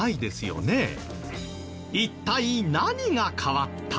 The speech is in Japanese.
一体何が変わった？